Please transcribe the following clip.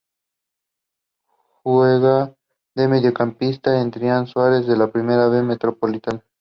Juega de mediocampista en Tristán Suárez de la Primera B Metropolitana.